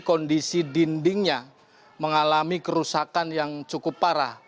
kondisi dindingnya mengalami kerusakan yang cukup parah